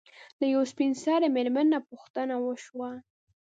له يوې سپين سري مېرمنې نه پوښتنه وشوه